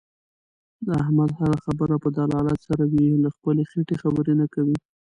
د احمد هر خبره په دلالت سره وي. له خپلې خېټې خبرې نه کوي.